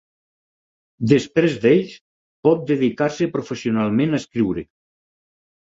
Després d'ells pot dedicar-se professionalment a escriure.